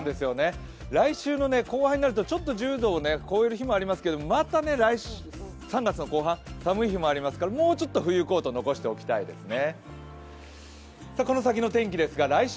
来週の後半になるとちょっと１０度を超える日もありますけどまた３月の後半、寒い日もありますからもうちょっと冬のコートを残しておきたいですね。